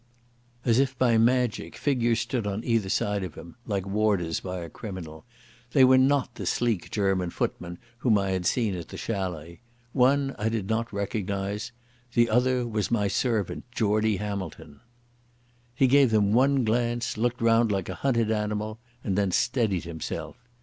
As if by magic figures stood on either side of him, like warders by a criminal. They were not the sleek German footmen whom I had seen at the Chalet. One I did not recognise. The other was my servant, Geordie Hamilton. He gave them one glance, looked round like a hunted animal, and then steadied himself.